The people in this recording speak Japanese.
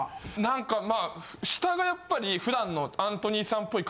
なんか下がやっぱり普段のアントニーさんっぽい